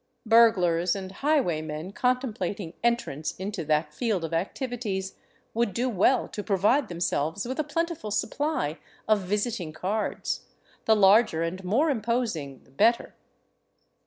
Burglars and highwaymen contemplating entrance into that field of activities would do well to provide themselves with a plentiful supply of visiting cards, the larger and more imposing the better.